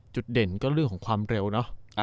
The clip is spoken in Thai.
เด่นก็เรื่องของความเร็วเนอะ